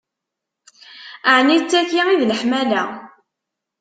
Ɛni d taki i d leḥmala?